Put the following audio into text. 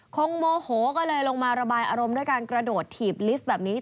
โมโหก็เลยลงมาระบายอารมณ์ด้วยการกระโดดถีบลิฟต์แบบนี้